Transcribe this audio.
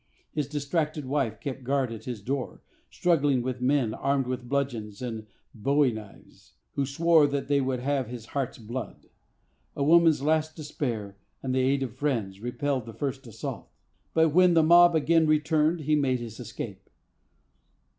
His distracted wife kept guard at his door, struggling with men armed with bludgeons and bowie knives, who swore that they would have his heart's blood. A woman's last despair, and the aid of friends, repelled the first assault; but when the mob again returned, he made his escape.